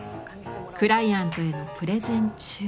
クライアントへのプレゼン中。